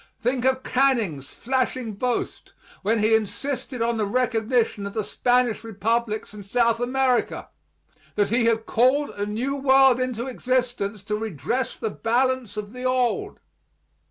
Think of Canning's flashing boast, when he insisted on the recognition of the Spanish republics in South America that he had called a new world into existence to redress the balance of the old.